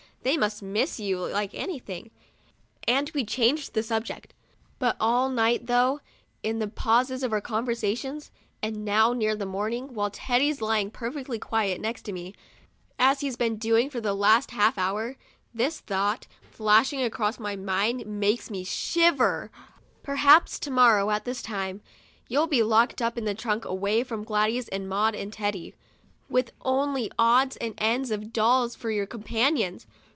They must miss you like anything," and we changed the subject. But all night through, in the pauses of our conversation, and now, near morning, while Teddy's lying perfectly quiet, next to me, as he's been doing for the last half hour, this thought, flashing across my mind, makes me shiver :" Perhaps to morrow, at this time, you'll be locked up in the trunk, away from Gladys and Maud and Teddy, with only odds and ends of dolls for your companions.